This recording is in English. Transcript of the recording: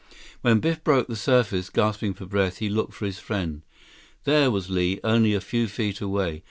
When Biff broke the surface, gasping for breath, he looked for his friend. There was Li, only a few feet away.